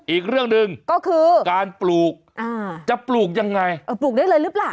อีกเรื่องหนึ่งก็คือการปลูกจะปลูกยังไงเออปลูกได้เลยหรือเปล่า